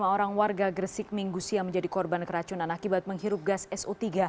dua puluh lima orang warga gresik minggusia menjadi korban keracunan akibat menghirup gas so tiga